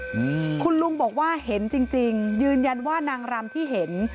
อืมคุณลุงบอกว่าเห็นจริงจริงยืนยันว่านางรำที่เห็น